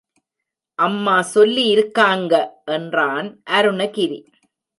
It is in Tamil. அம்மா சொல்லி இருக்காங்க, என்றான் அருணகிரி.